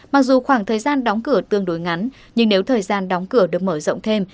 mặc dù khoảng thời gian đóng cửa tương đối ngắn nhưng nếu thời gian đóng cửa được mở rộng thêm